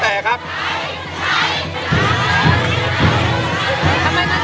ทำไมมันใจใช้นะครับ